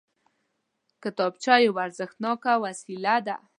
کتابچه یوه ارزښتناکه وسیله ده